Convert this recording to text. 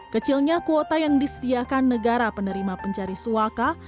kecilnya kuota yang disediakan negara penerima pencari suaka